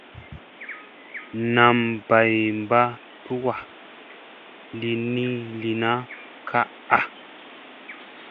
Nam bay mba tuwa li na kaaʼa.